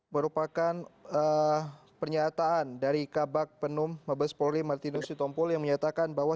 merupakan pernyataan dari kabak penum mabes polri martinus sitompul yang menyatakan bahwa